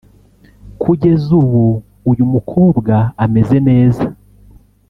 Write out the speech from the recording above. Kugeza ubu uyu mukobwa ameze neza